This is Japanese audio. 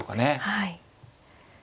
はい。